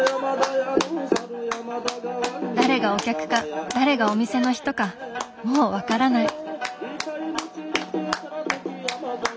誰がお客か誰がお店の人かもうわからない。